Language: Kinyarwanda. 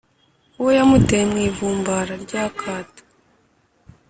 uwe yamuteye mu ivumbara ry'akato.